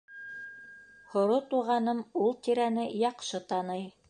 Һоро Туғаным ул тирәне яҡшы таный.